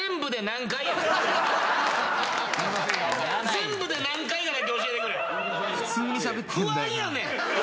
全部で何回かだけ教えてくれ。